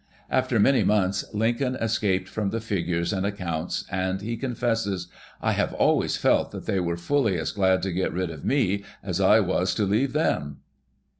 After many months Lincoln escaped from the figures and accounts, and he confesses, "I have always felt that they were fully as glad to get rid of me as I was to leave them."